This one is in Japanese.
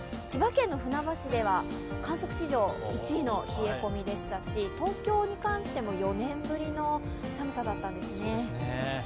千葉県の船橋では観測史上１位の冷え込みでしたし東京に関しても４年ぶりの寒さだったんですね。